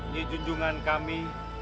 di junjungan kami